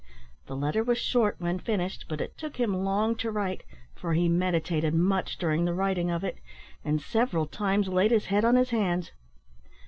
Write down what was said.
The letter was short when finished, but it took him long to write, for he meditated much during the writing of it, and several times laid his head on his hands.